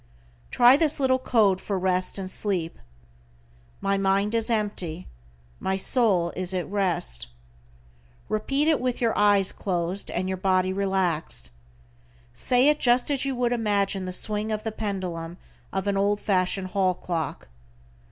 Try this little code for rest and sleep: "My mind is empty, my soul is at rest." Repeat it with your eyes closed and your body relaxed. Say it just as you would imagine the swing of the pendulum of an old fashion hall clock.